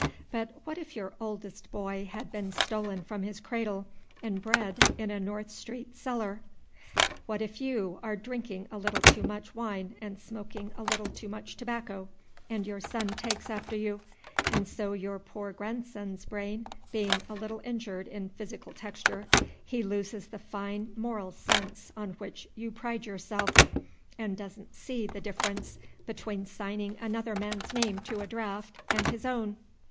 But what if your oldest boy had been stolen from his cradle and bred in a North Street cellar? What if you are drinking a little too much wine and smoking a little too much tobacco, and your son takes after you, and so your poor grandson's brain being a little injured in physical texture, he loses the fine moral sense on which you pride yourself, and doesn't see the difference between signing another man's name to a draft and his own?